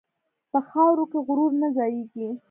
په خاورو کې غرور نه ځایېږي.